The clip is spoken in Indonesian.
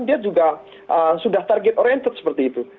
dia juga sudah target oriented seperti itu